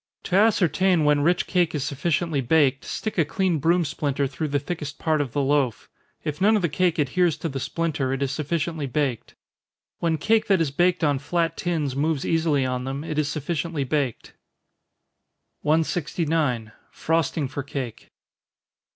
To ascertain when rich cake is sufficiently baked, stick a clean broom splinter through the thickest part of the loaf if none of the cake adheres to the splinter, it is sufficiently baked. When cake that is baked on flat tins moves easily on them, it is sufficiently baked. 169. _Frosting for Cake.